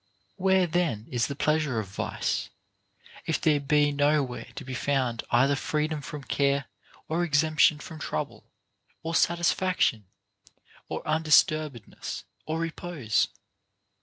3. Where then is the pleasure of vice, if there be no where to be found either freedom from care or exemption from trouble, or satisfaction or undisturbedness or repose